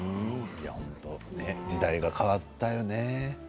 時代は変わったよね。